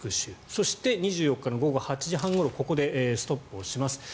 そして２４日の午後８時半ごろここでストップをします。